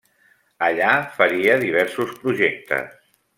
Allà faria diversos projectes.